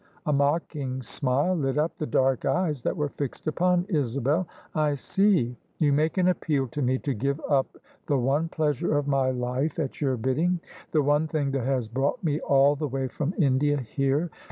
A mocking smile lit up the dark eyes that were fixed upon Isabel. " I see: you make an appeal to me to give up the one pleasure of my life at your bidding: the one thing that has brought me all the way from India here?